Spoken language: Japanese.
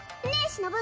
しのぶ。